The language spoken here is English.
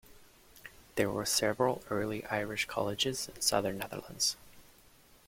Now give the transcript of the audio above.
There were several early Irish Colleges in Southern Netherlands.